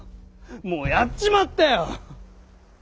もうやっちまったよ！